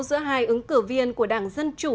giữa hai ứng cử viên của đảng dân chủ